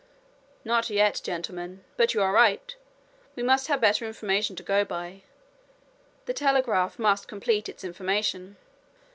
"Not yet, gentlemen; but you are right! we must have better information to go by. The telegraph must complete its information."